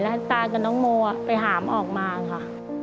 แล้วตากับน้องโมไปหามออกมาค่ะ